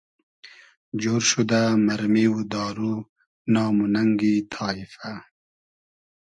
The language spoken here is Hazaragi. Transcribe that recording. جۉر شودۂ مئرمی و دارو نام و نئنگی تایفۂ